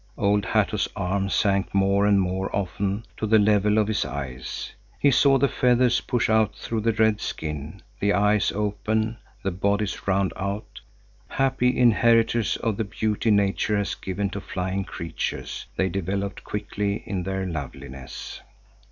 Old Hatto's arm sank more and more often to the level of his eyes. He saw the feathers push out through the red skin, the eyes open, the bodies round out. Happy inheritors of the beauty nature has given to flying creatures, they developed quickly in their loveliness.